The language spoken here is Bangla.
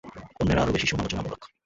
অন্যেরা আরও বেশি সমালোচনামূলক।